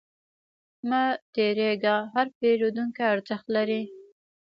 مه تریږه، هر پیرودونکی ارزښت لري.